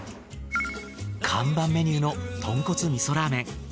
看板メニューの豚骨味噌ラーメン。